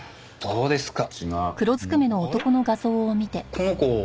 この子。